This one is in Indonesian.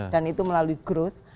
dan itu melalui growth